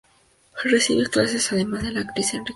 Recibe clases, además, de la actriz Enriqueta de Palma.